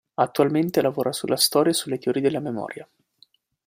Attualmente lavora sulla storia e sulle teorie della memoria.